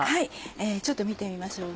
ちょっと見てみましょうね。